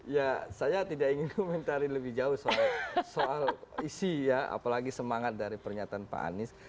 ya saya tidak ingin komentari lebih jauh soal isi ya apalagi semangat dari pernyataan pak anies